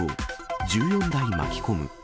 １４台巻き込む。